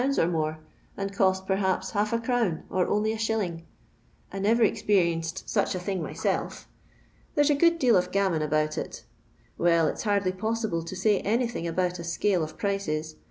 hundred p'^iinds or more, nnd cost, pcrhapsi, half n crown f»r only a sliilling. I nover experienced Fiich a tliinir niyst'lf. There '* a good deal of gammon ab iut it. Well, it'* liaidly possible to mj anything about a scale of prices.